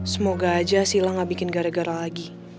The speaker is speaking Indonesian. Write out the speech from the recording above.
semoga aja sila gak bikin gara gara lagi